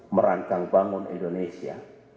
merancang bangun indonesia